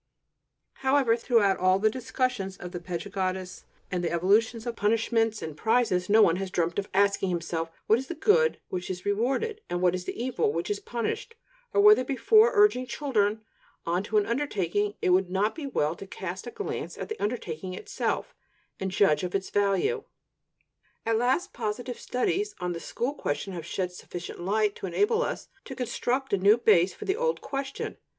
However, throughout all the discussions of the pedagogists and the evolutions of punishments and prizes, no one has dreamt of asking himself what is the good which is rewarded, and what the evil which is punished, or whether, before urging children on to an undertaking, it would not be well to cast a glance at the undertaking itself, and judge of its value. At last positive studies on the school question have shed sufficient light to enable us to construct a new base for the old question.